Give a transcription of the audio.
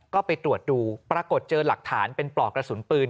ก็ไปตรวจดูปรากฏเจอหลักฐานเป็นปลอกกระสุนปืน